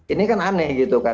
ini kan aneh gitu kan